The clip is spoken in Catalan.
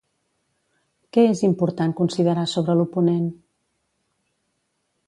Què és important considerar sobre l'oponent?